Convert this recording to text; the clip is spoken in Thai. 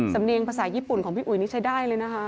เนียงภาษาญี่ปุ่นของพี่อุ๋ยนี่ใช้ได้เลยนะคะ